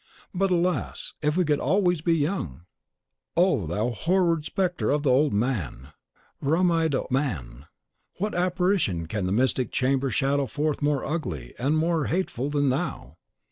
But "Alas, if we could be always young! Oh, thou horrid spectre of the old, rheum eyed man! What apparition can the mystic chamber shadow forth more ugly and more hateful than thou?